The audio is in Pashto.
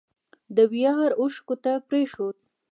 د ویاړ اوښکو ته پرېښود